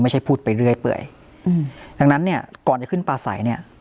ไม่ใช่พูดไปเรื่อยดังนั้นเนี่ยก่อนจะขึ้นปลาสัยเนี่ย